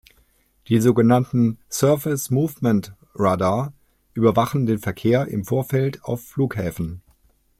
Die sogenannten Surface Movement Radar überwachen den Verkehr im Vorfeld auf Flughäfen.